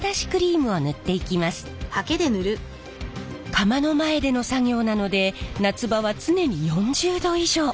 窯の前での作業なので夏場は常に４０℃以上！